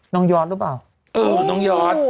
น้องยอร์ดรึเปล่าเออน้องยอร์ด